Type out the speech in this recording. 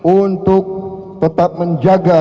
untuk tetap menjaga